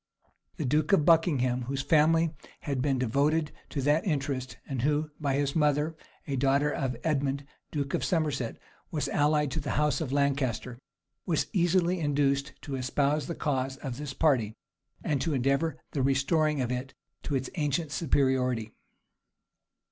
The duke of Buckingham, whose family had been devoted to that interest, and who, by his mother, a daughter of Edmund, duke of Somerset, was allied to the house of Lancaster, was easily induced to espouse the cause of this party, and to endeavor the restoring of it to its ancient superiority.